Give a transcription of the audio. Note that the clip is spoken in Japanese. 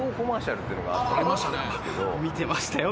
見てましたよ。